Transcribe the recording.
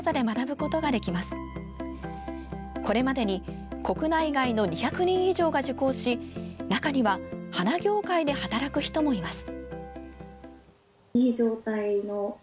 これまでに国内外の２００人以上が受講し中には、花業界で働く人もいます。